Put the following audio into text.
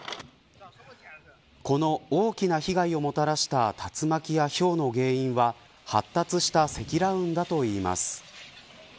この大きな被害をもたらした竜巻やひょうの原因は発達した積乱雲だといいます。